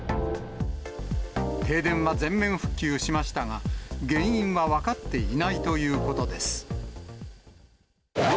停電は全面復旧しましたが、原因は分かっていないということです。